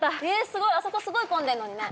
すごいあそこすごい混んでんのにね